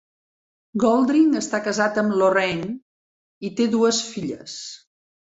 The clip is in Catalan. Goldring està casat amb Lorraine i té dues filles.